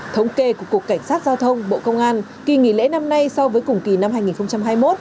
thống kê của cục cảnh sát giao thông bộ công an kỳ nghỉ lễ năm nay so với cùng kỳ năm hai nghìn hai mươi một